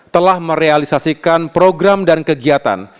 telah merealisasikan program dan kegiatan